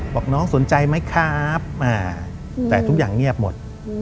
บอกน้องสนใจไหมครับแต่ทุกอย่างเงียบหมด